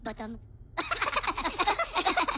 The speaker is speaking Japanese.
アハハハ！